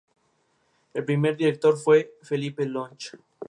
En esta especie la diferencia entre macho y hembra está muy bien marcada.